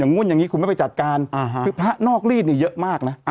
งวดอย่างนี้คุณไม่ไปจัดการคือพระนอกรีดนี่เยอะมากนะ